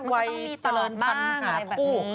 ไว้เจริญภัณฑ์หาผู้